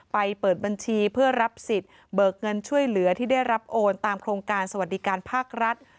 เปิดบัญชีเพื่อรับสิทธิ์เบิกเงินช่วยเหลือที่ได้รับโอนตามโครงการสวัสดิการภาครัฐ